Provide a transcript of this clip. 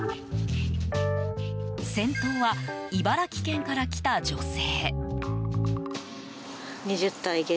先頭は、茨城県から来た女性。